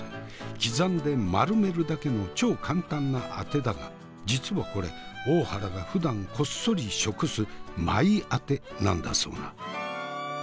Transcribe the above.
刻んで丸めるだけの超簡単なあてだが実はこれ大原がふだんこっそり食すマイあてなんだそうな。